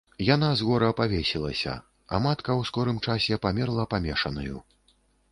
Яна з гора павесілася, а матка ў скорым часе памерла памешанаю.